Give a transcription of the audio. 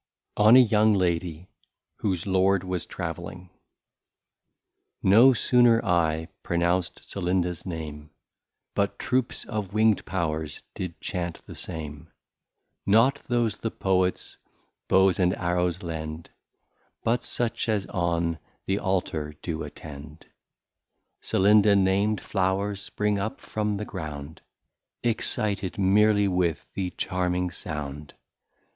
On a young Lady Whose LORD was Travelling. No sooner I pronounced Celindas name, But Troops of wing'd Pow'rs did chant the same: Not those the Poets Bows and Arrows lend, But such as on the Altar do attend. Celinda nam'd, Flow'rs spring up from the Ground, Excited meerly with the Charming Sound.